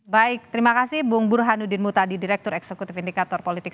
baik terima kasih bung burhanuddin mutadi direktur eksekutif indikator politik